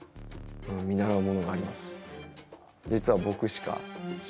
見習うものがあります。